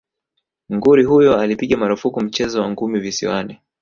Nguri huyo alipiga marufuku mchezo wa ngumi visiwani